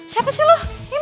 siapa sih lo